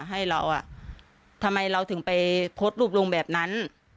ให้เราอ่ะทำไมเราถึงไปโพสต์รูปลงแบบนั้น